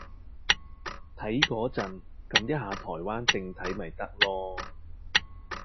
睇個陣㩒一下台灣正體咪得囉